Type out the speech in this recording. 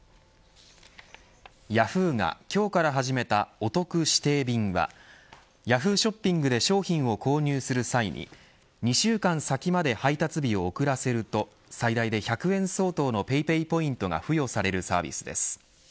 ヤフーが今日から始めたおトク指定便はＹａｈｏｏ！ショッピングで商品を購入する際に２週間先まで配達日を遅らせると最大で１００円相当のＰａｙＰａｙポイントが付与されるサービスです。